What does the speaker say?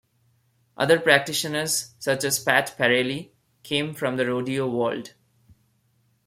Other practitioners, such as Pat Parelli, came from the rodeo world.